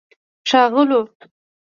ښاغلیو